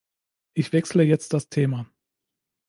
Ich wechsle jetzt das Thema.